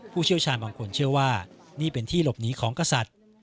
เชี่ยวชาญบางคนเชื่อว่านี่เป็นที่หลบหนีของกษัตริย์